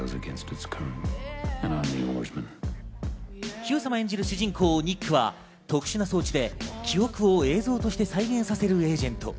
ヒュー様演じる主人公ニックは特殊な装置で記憶を映像として再現させるエージェント。